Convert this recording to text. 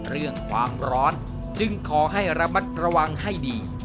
เรื่องความร้อนจึงขอให้ระมัดระวังให้ดี